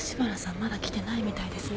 まだ来てないみたいですね。